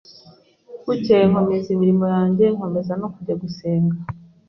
bukeye nkomeza imirimo yanjye nkomeza no kujya gusenga